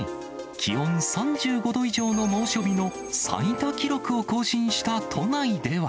気温３５度以上の猛暑日の最多記録を更新した都内では。